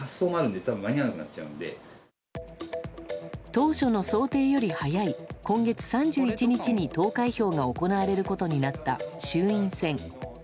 当初の想定より早い今月３１日に投開票が行われることになった衆院選。